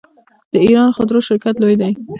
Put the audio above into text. د ایران خودرو شرکت لوی دی.